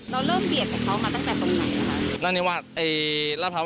เราเริ่มเบียดให้เขามาตั้งแต่ตรงไหนครับ